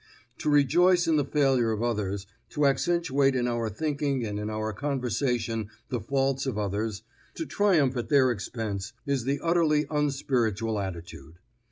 To rejoice in the failure of others, to accentuate in our thinking and in our conversation the faults of others, to triumph at their expense, is the utterly unspiritual attitude.